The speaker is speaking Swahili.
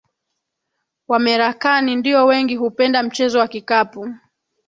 Wamerakani ndio wengi hupenda mchezo wa kikapu